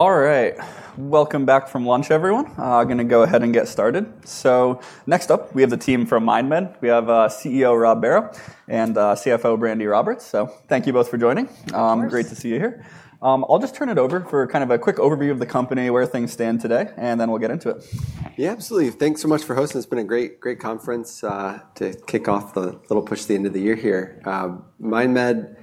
All right. Welcome back from lunch, everyone. I'm going to go ahead and get started. Next up, we have the team from MindMed. We have CEO Rob Barrow and CFO Brandi Roberts. Thank you both for joining. Thanks. Great to see you here. I'll just turn it over for kind of a quick overview of the company, where things stand today, and then we'll get into it. Yeah, absolutely. Thanks so much for hosting. It's been a great conference to kick off the little push to the end of the year here. MindMed,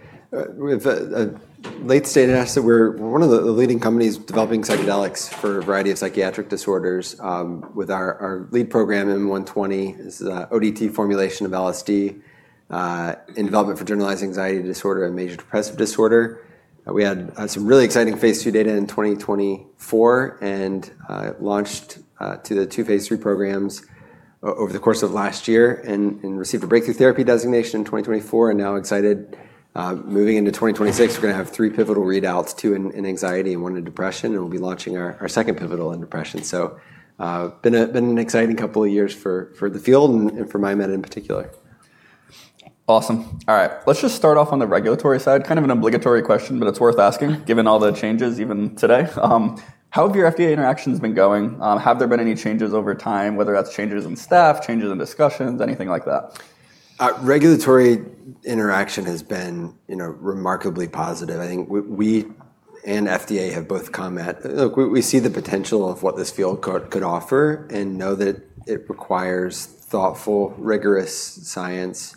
we've late-stage asked that we're one of the leading companies developing psychedelics for a variety of psychiatric disorders. With our lead program, MM120, is the ODT formulation of LSD in development for generalized anxiety disorder and major depressive disorder. We had some really exciting phase II data in 2024 and launched the two phase III programs over the course of last year and received a Breakthrough Therapy Designation in 2024. Now excited moving into 2026, we're going to have three pivotal readouts, two in anxiety and one in depression, and we'll be launching our second pivotal in depression. Been an exciting couple of years for the field and for MindMed in particular. Awesome. All right. Let's just start off on the regulatory side. Kind of an obligatory question, but it's worth asking given all the changes, even today. How have your FDA interactions been going? Have there been any changes over time, whether that's changes in staff, changes in discussions, anything like that? Regulatory interaction has been remarkably positive. I think we and FDA have both come at, look, we see the potential of what this field could offer and know that it requires thoughtful, rigorous science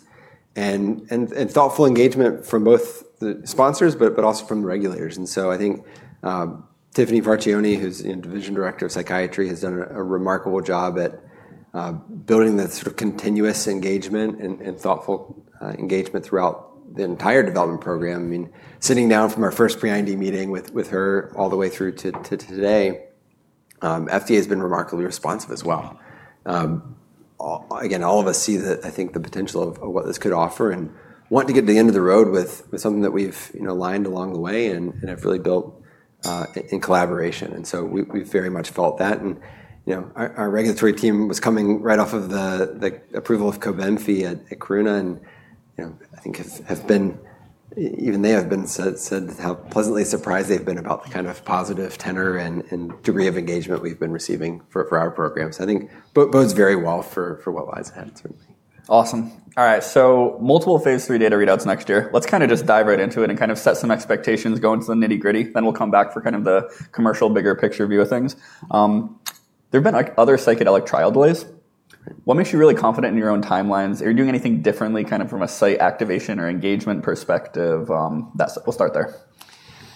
and thoughtful engagement from both the sponsors, but also from the regulators. I think Tiffany Farchione, who's Division Director of Psychiatry, has done a remarkable job at building the sort of continuous engagement and thoughtful engagement throughout the entire development program. I mean, sitting down from our first pre-IND meeting with her all the way through to today, FDA has been remarkably responsive as well. Again, all of us see that, I think, the potential of what this could offer and want to get to the end of the road with something that we've aligned along the way and have really built in collaboration. We've very much felt that. Our regulatory team was coming right off of the approval of Cobenfy at Karuna, and I think have been, even they have been said how pleasantly surprised they've been about the kind of positive tenor and degree of engagement we've been receiving for our program. I think bodes very well for what lies ahead, certainly. Awesome. All right. Multiple phase III data readouts next year. Let's kind of just dive right into it and kind of set some expectations, go into the nitty-gritty. Then we'll come back for kind of the commercial bigger picture view of things. There have been other psychedelic trial delays. What makes you really confident in your own timelines? Are you doing anything differently kind of from a site activation or engagement perspective? We'll start there.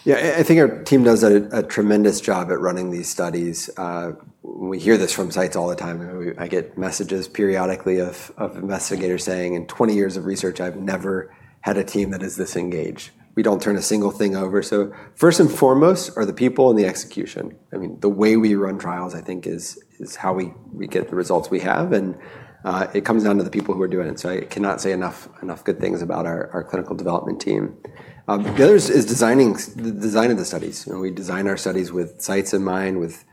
Yeah, I think our team does a tremendous job at running these studies. We hear this from sites all the time. I get messages periodically of investigators saying, "In 20 years of research, I've never had a team that is this engaged." We don't turn a single thing over. First and foremost are the people and the execution. I mean, the way we run trials, I think, is how we get the results we have. It comes down to the people who are doing it. I cannot say enough good things about our clinical development team. The other is designing the design of the studies. We design our studies with sites in mind, with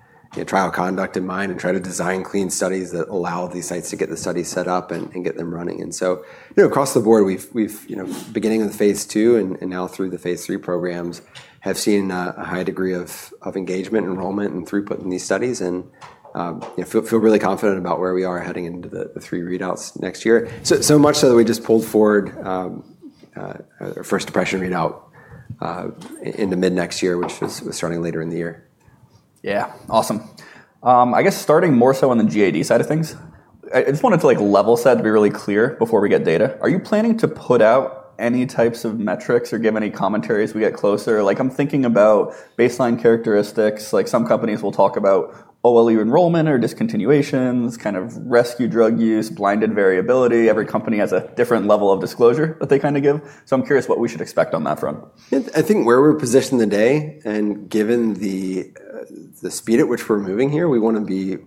trial conduct in mind, and try to design clean studies that allow these sites to get the studies set up and get them running. Across the board, we've beginning in the phase II and now through the phase III programs have seen a high degree of engagement, enrollment, and throughput in these studies and feel really confident about where we are heading into the three readouts next year. So much so that we just pulled forward our first depression readout in the mid next year, which was starting later in the year. Yeah, awesome. I guess starting more so on the GAD side of things, I just wanted to level set, be really clear before we get data. Are you planning to put out any types of metrics or give any commentaries as we get closer? Like I'm thinking about baseline characteristics. Like some companies will talk about OLE enrollment or discontinuations, kind of rescue drug use, blinded variability. Every company has a different level of disclosure that they kind of give. I'm curious what we should expect on that front. I think where we're positioned today and given the speed at which we're moving here, we want to be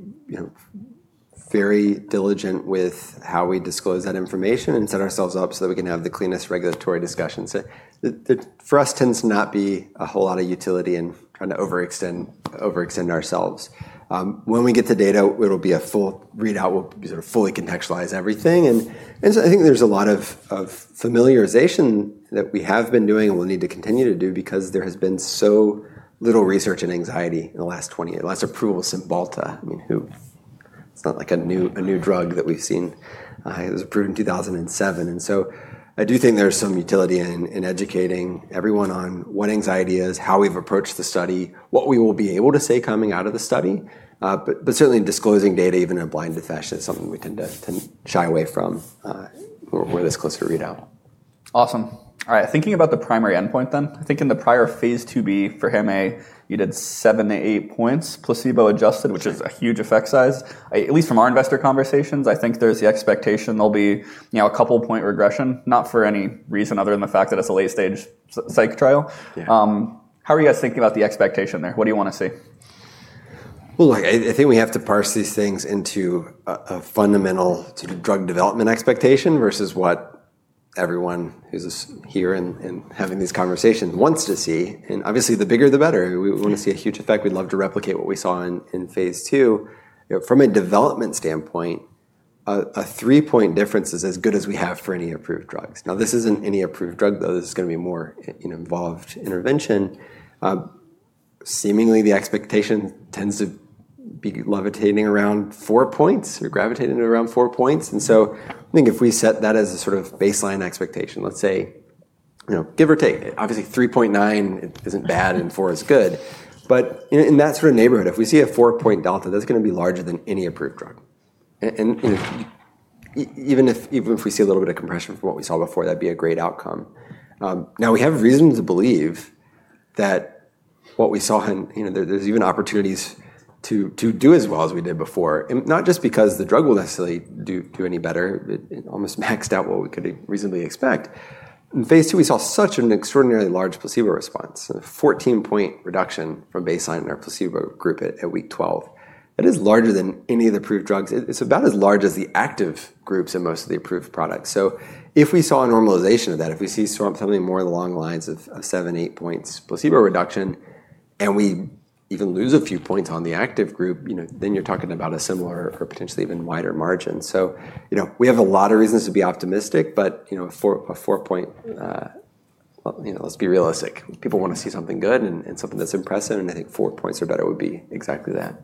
very diligent with how we disclose that information and set ourselves up so that we can have the cleanest regulatory discussions. For us, it tends to not be a whole lot of utility in trying to overextend ourselves. When we get the data, it'll be a full readout. We'll sort of fully contextualize everything. I think there's a lot of familiarization that we have been doing and we'll need to continue to do because there has been so little research in anxiety in the last 20 years, less approval of Cymbalta. I mean, it's not like a new drug that we've seen. It was approved in 2007. I do think there's some utility in educating everyone on what anxiety is, how we've approached the study, what we will be able to say coming out of the study. Certainly, disclosing data, even in a blinded fashion, is something we tend to shy away from where this closer readout. Awesome. All right. Thinking about the primary endpoint then, I think in the prior phase II/B for HAM-A, you did seven to eight points placebo adjusted, which is a huge effect size. At least from our investor conversations, I think there's the expectation there'll be a couple point regression, not for any reason other than the fact that it's a late stage psych trial. How are you guys thinking about the expectation there? What do you want to see? I think we have to parse these things into a fundamental drug development expectation versus what everyone who's here and having these conversations wants to see. Obviously, the bigger, the better. We want to see a huge effect. We'd love to replicate what we saw in phase II. From a development standpoint, a three-point difference is as good as we have for any approved drugs. Now, this isn't any approved drug, though. This is going to be more involved intervention. Seemingly, the expectation tends to be levitating around four points or gravitating around four points. I think if we set that as a sort of baseline expectation, let's say, give or take, obviously 3.9 isn't bad and four is good. In that sort of neighborhood, if we see a four-point delta, that's going to be larger than any approved drug. Even if we see a little bit of compression from what we saw before, that'd be a great outcome. We have reason to believe that what we saw, there's even opportunities to do as well as we did before. Not just because the drug will necessarily do any better. It almost maxed out what we could reasonably expect. In phase 11, we saw such an extraordinarily large placebo response, a 14-point reduction from baseline in our placebo group at week 12. That is larger than any of the approved drugs. It's about as large as the active groups in most of the approved products. If we saw a normalization of that, if we see something more along the lines of seven, eight points placebo reduction, and we even lose a few points on the active group, then you're talking about a similar or potentially even wider margin. We have a lot of reasons to be optimistic, but a four-point, let's be realistic, people want to see something good and something that's impressive. I think four points or better would be exactly that.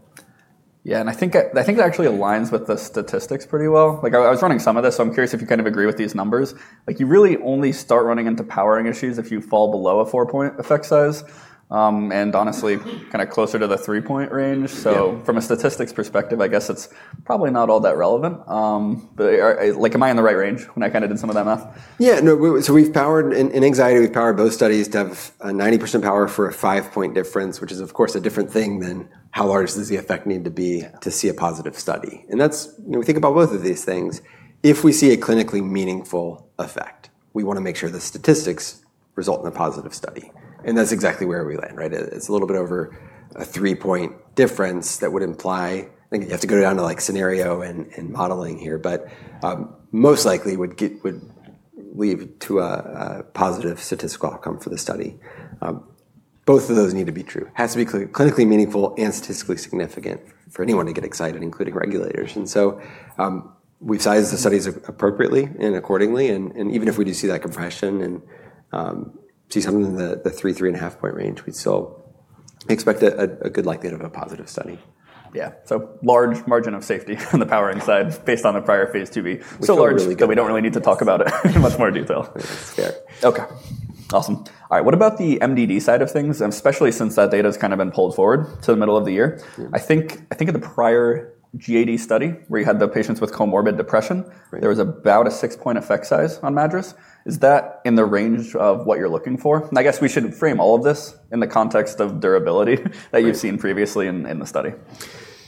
Yeah. I think that actually aligns with the statistics pretty well. I was running some of this, so I'm curious if you kind of agree with these numbers. You really only start running into powering issues if you fall below a four-point effect size and honestly kind of closer to the three-point range. From a statistics perspective, I guess it's probably not all that relevant. Am I in the right range when I kind of did some of that math? Yeah. In anxiety, we've powered both studies to have a 90% power for a five-point difference, which is, of course, a different thing than how large does the effect need to be to see a positive study. We think about both of these things. If we see a clinically meaningful effect, we want to make sure the statistics result in a positive study. That's exactly where we land. It's a little bit over a three-point difference that would imply you have to go down to scenario and modeling here, but most likely would lead to a positive statistical outcome for the study. Both of those need to be true. It has to be clinically meaningful and statistically significant for anyone to get excited, including regulators. We've sized the studies appropriately and accordingly. Even if we do see that compression and see something in the three, 3.5 point range, we still expect a good likelihood of a positive study. Yeah. Large margin of safety on the powering side based on the prior phase II/B. So large. We don't really need to talk about it in much more detail. Fair. Okay. Awesome. All right. What about the MDD side of things, especially since that data has kind of been pulled forward to the middle of the year? I think the prior GAD study where you had the patients with comorbid depression, there was about a six-point effect size on MADRS. Is that in the range of what you're looking for? I guess we should frame all of this in the context of durability that you've seen previously in the study.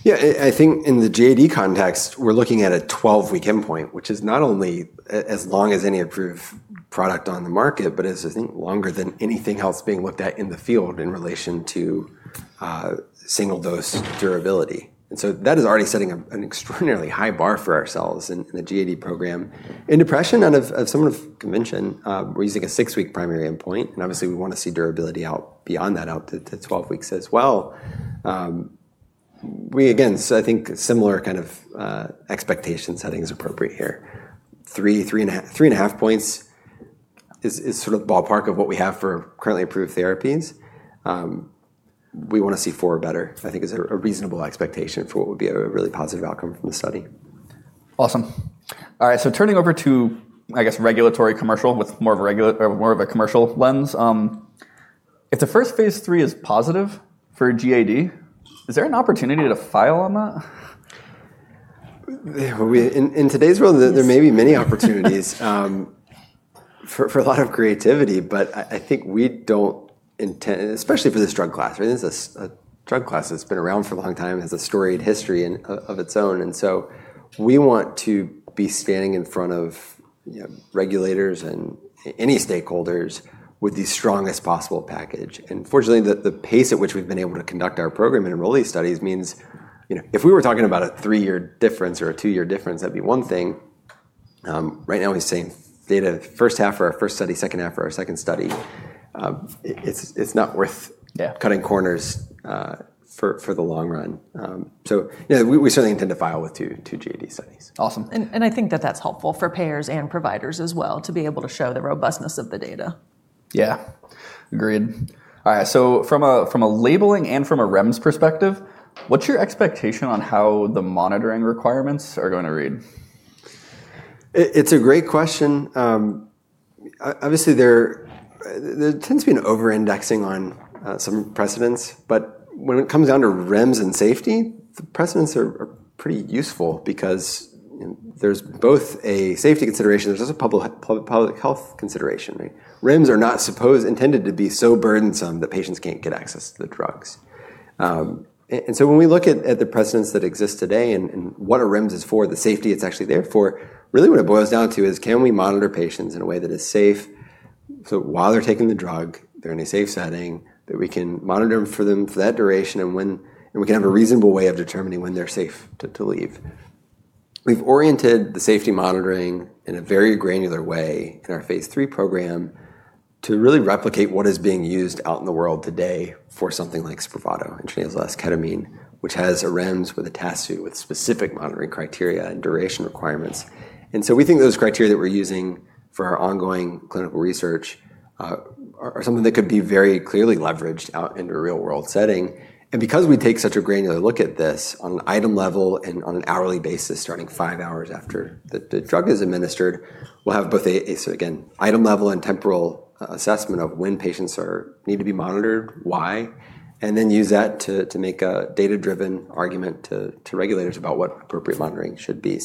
Yeah. I think in the GAD context, we're looking at a 12-week endpoint, which is not only as long as any approved product on the market, but is, I think, longer than anything else being looked at in the field in relation to single-dose durability. That is already setting an extraordinarily high bar for ourselves in the GAD program. In depression, out of some of convention, we're using a six-week primary endpoint. Obviously, we want to see durability out beyond that, out to 12 weeks as well. Again, I think similar kind of expectation setting is appropriate here. Three, 3.5 points is sort of the ballpark of what we have for currently approved therapies. We want to see four better, I think, is a reasonable expectation for what would be a really positive outcome from the study. Awesome. All right. Turning over to, I guess, regulatory commercial with more of a commercial lens. If the first phase III is positive for GAD, is there an opportunity to file on that? In today's world, there may be many opportunities for a lot of creativity, but I think we don't intend, especially for this drug class. This is a drug class that's been around for a long time, has a storied history of its own. We want to be standing in front of regulators and any stakeholders with the strongest possible package. Fortunately, the pace at which we've been able to conduct our program and enroll these studies means if we were talking about a three-year difference or a two-year difference, that'd be one thing. Right now, we're seeing data first half for our first study, second half for our second study. It's not worth cutting corners for the long run. We certainly intend to file with two GAD studies. Awesome. I think that that's helpful for payers and providers as well to be able to show the robustness of the data. Yeah. Agreed. All right. From a labeling and from a REMS perspective, what's your expectation on how the monitoring requirements are going to read? It's a great question. Obviously, there tends to be an over-indexing on some precedents, but when it comes down to REMS and safety, the precedents are pretty useful because there's both a safety consideration. There's also a public health consideration. REMS are not supposed, intended to be so burdensome that patients can't get access to the drugs. When we look at the precedents that exist today and what a REMS is for, the safety it's actually there for, really what it boils down to is can we monitor patients in a way that is safe so while they're taking the drug, they're in a safe setting, that we can monitor them for that duration and we can have a reasonable way of determining when they're safe to leave. We've oriented the safety monitoring in a very granular way in our phase three program to really replicate what is being used out in the world today for something like Spravato, intranasal esketamine, which has a REMS with an ETASU with specific monitoring criteria and duration requirements. We think those criteria that we're using for our ongoing clinical research are something that could be very clearly leveraged out in a real-world setting. Because we take such a granular look at this on an item level and on an hourly basis starting five hours after the drug is administered, we'll have both a, so again, item level and temporal assessment of when patients need to be monitored, why, and then use that to make a data-driven argument to regulators about what appropriate monitoring should be.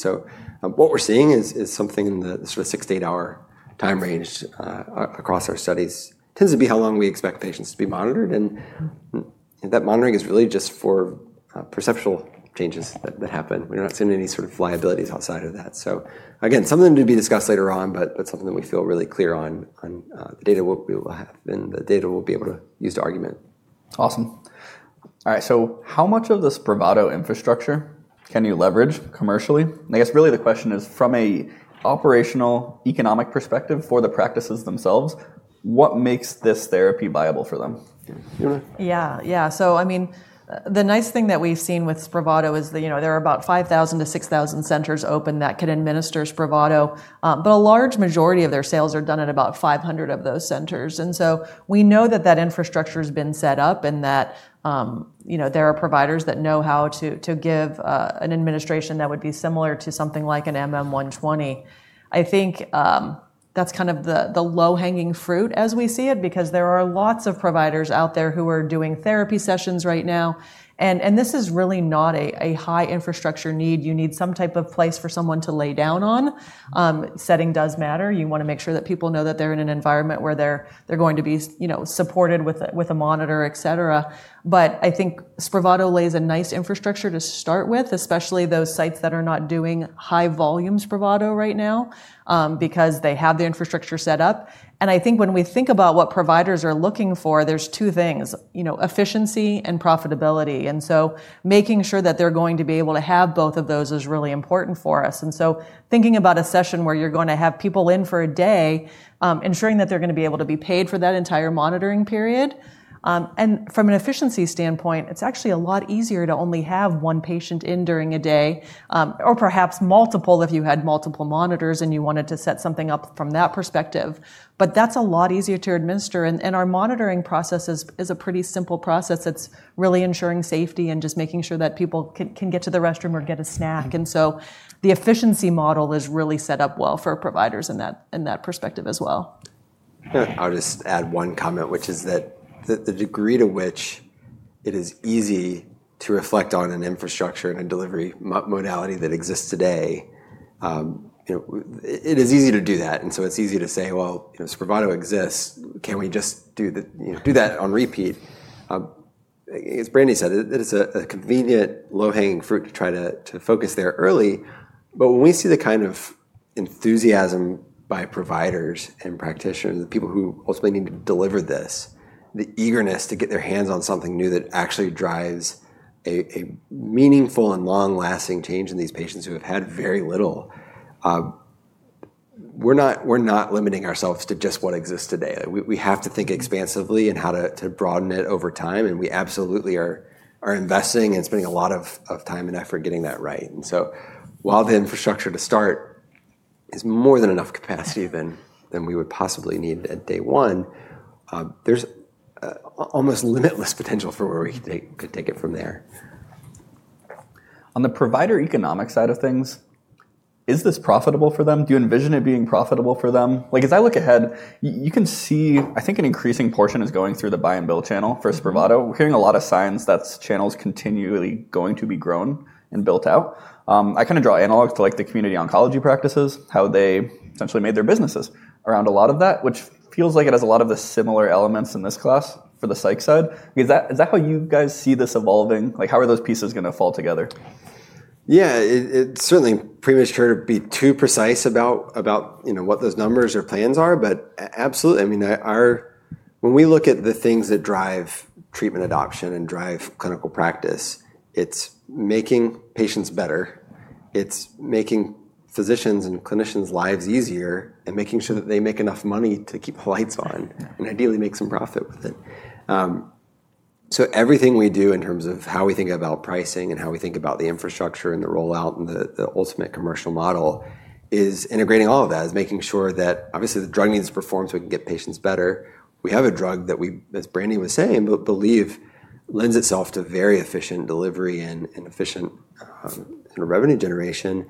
What we're seeing is something in the sort of six to eight-hour time range across our studies. It tends to be how long we expect patients to be monitored. That monitoring is really just for perceptual changes that happen. We're not seeing any sort of liabilities outside of that. Again, something to be discussed later on, but something that we feel really clear on the data we will have and the data we'll be able to use to argument. Awesome. All right. How much of the Spravato infrastructure can you leverage commercially? I guess really the question is from an operational economic perspective for the practices themselves, what makes this therapy viable for them? Yeah. Yeah. I mean, the nice thing that we've seen with Spravato is there are about 5,000-6,000 centers open that can administer Spravato. A large majority of their sales are done at about 500 of those centers. We know that that infrastructure has been set up and that there are providers that know how to give an administration that would be similar to something like an MM120. I think that's kind of the low-hanging fruit as we see it because there are lots of providers out there who are doing therapy sessions right now. This is really not a high infrastructure need. You need some type of place for someone to lay down on. Setting does matter. You want to make sure that people know that they're in an environment where they're going to be supported with a monitor, etc. I think Spravato lays a nice infrastructure to start with, especially those sites that are not doing high-volume Spravato right now because they have the infrastructure set up. I think when we think about what providers are looking for, there's two things: efficiency and profitability. Making sure that they're going to be able to have both of those is really important for us. Thinking about a session where you're going to have people in for a day, ensuring that they're going to be able to be paid for that entire monitoring period. From an efficiency standpoint, it's actually a lot easier to only have one patient in during a day or perhaps multiple if you had multiple monitors and you wanted to set something up from that perspective. That's a lot easier to administer. Our monitoring process is a pretty simple process. It is really ensuring safety and just making sure that people can get to the restroom or get a snack. The efficiency model is really set up well for providers in that perspective as well. I'll just add one comment, which is that the degree to which it is easy to reflect on an infrastructure and a delivery modality that exists today, it is easy to do that. It's easy to say, well, Spravato exists. Can we just do that on repeat? As Brandi said, it's a convenient low-hanging fruit to try to focus there early. When we see the kind of enthusiasm by providers and practitioners, the people who ultimately need to deliver this, the eagerness to get their hands on something new that actually drives a meaningful and long-lasting change in these patients who have had very little, we're not limiting ourselves to just what exists today. We have to think expansively and how to broaden it over time. We absolutely are investing and spending a lot of time and effort getting that right. While the infrastructure to start is more than enough capacity than we would possibly need at day one, there's almost limitless potential for where we could take it from there. On the provider economic side of things, is this profitable for them? Do you envision it being profitable for them? As I look ahead, you can see, I think an increasing portion is going through the buy-and-build channel for Spravato. We're hearing a lot of signs that channel's continually going to be grown and built out. I kind of draw analogs to the community oncology practices, how they essentially made their businesses around a lot of that, which feels like it has a lot of the similar elements in this class for the psych side. Is that how you guys see this evolving? How are those pieces going to fall together? Yeah. It's certainly premature to be too precise about what those numbers or plans are, but absolutely. I mean, when we look at the things that drive treatment adoption and drive clinical practice, it's making patients better. It's making physicians' and clinicians' lives easier and making sure that they make enough money to keep the lights on and ideally make some profit with it. Everything we do in terms of how we think about pricing and how we think about the infrastructure and the rollout and the ultimate commercial model is integrating all of that, is making sure that obviously the drug needs to perform so we can get patients better. We have a drug that we, as Brandi was saying, believe lends itself to very efficient delivery and efficient revenue generation.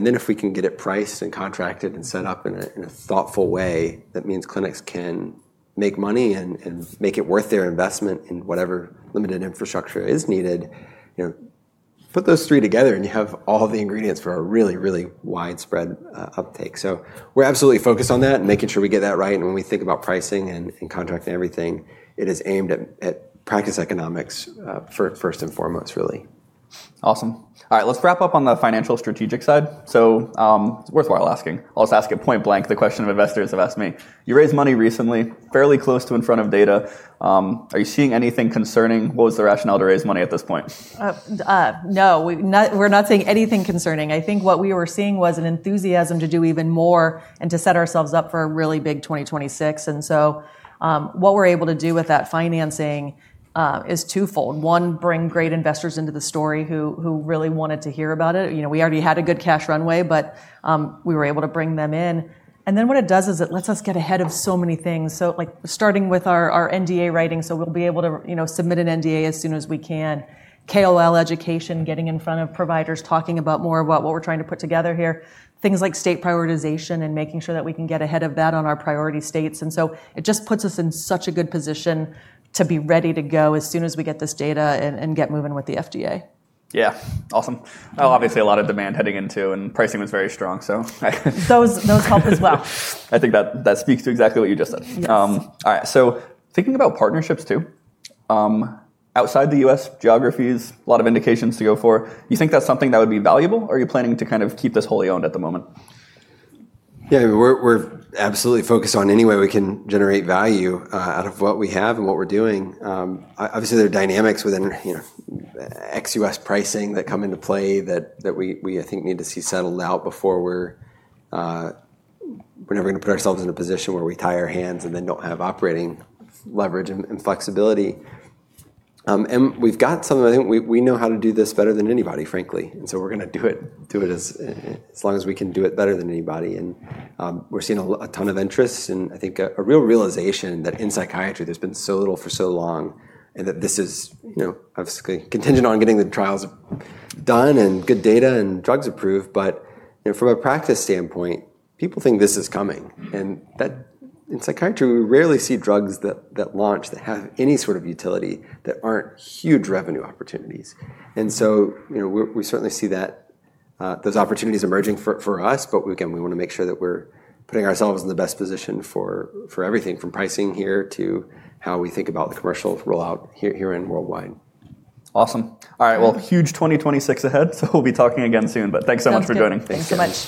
If we can get it priced and contracted and set up in a thoughtful way, that means clinics can make money and make it worth their investment in whatever limited infrastructure is needed, put those three together and you have all the ingredients for a really, really widespread uptake. We are absolutely focused on that and making sure we get that right. When we think about pricing and contracting everything, it is aimed at practice economics first and foremost, really. Awesome. All right. Let's wrap up on the financial strategic side. It's worthwhile asking. I'll just ask it point blank. The question investors have asked me. You raised money recently, fairly close to in front of data. Are you seeing anything concerning? What was the rationale to raise money at this point? No. We're not seeing anything concerning. I think what we were seeing was an enthusiasm to do even more and to set ourselves up for a really big 2026. What we're able to do with that financing is twofold. One, bring great investors into the story who really wanted to hear about it. We already had a good cash runway, but we were able to bring them in. What it does is it lets us get ahead of so many things. Starting with our NDA writing, we'll be able to submit an NDA as soon as we can. KOL education, getting in front of providers, talking more about what we're trying to put together here. Things like state prioritization and making sure that we can get ahead of that on our priority states. It just puts us in such a good position to be ready to go as soon as we get this data and get moving with the FDA. Yeah. Awesome. Obviously, a lot of demand heading into and pricing was very strong, so. Those help as well. I think that speaks to exactly what you just said. All right. Thinking about partnerships too, outside the U.S. geographies, a lot of indications to go for. You think that's something that would be valuable? Are you planning to kind of keep this wholly owned at the moment? Yeah. We're absolutely focused on any way we can generate value out of what we have and what we're doing. Obviously, there are dynamics within XUS pricing that come into play that we, I think, need to see settled out before we're never going to put ourselves in a position where we tie our hands and then don't have operating leverage and flexibility. We've got something I think we know how to do this better than anybody, frankly. We're going to do it as long as we can do it better than anybody. We're seeing a ton of interest and I think a real realization that in psychiatry, there's been so little for so long and that this is obviously contingent on getting the trials done and good data and drugs approved. From a practice standpoint, people think this is coming. In psychiatry, we rarely see drugs that launch that have any sort of utility that are not huge revenue opportunities. We certainly see those opportunities emerging for us, but again, we want to make sure that we are putting ourselves in the best position for everything from pricing here to how we think about the commercial rollout here and worldwide. Awesome. All right. Huge 2026 ahead. We'll be talking again soon. Thanks so much for joining. Thank you.